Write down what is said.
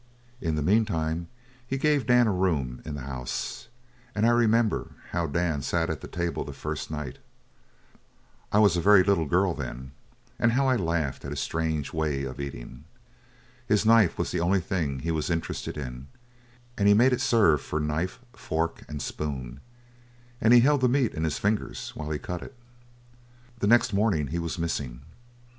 In the meantime he gave Dan a room in the house; and I remember how Dan sat at the table the first night I was a very little girl then and how I laughed at his strange way of eating. His knife was the only thing he was interested in and he made it serve for knife, fork, and spoon, and he held the meat in his fingers while he cut it. The next morning he was missing.